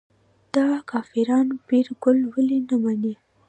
دا کافران پیرګل ولې نه مني.